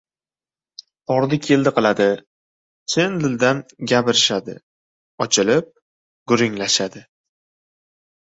Bordi-keldi qiladi. Chin dildan gapirishadi. Ochilib gurunglashadi.